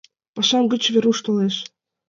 Памаш гыч Веруш толеш.